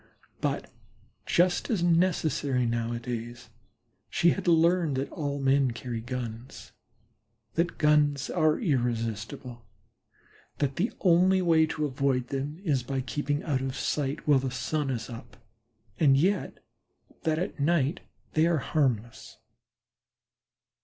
But, just as necessary nowadays, she had learned that all men carry guns, that guns are irresistible, that the only way to avoid them is by keeping out of sight while the sun is up, and yet that at night they are harmless.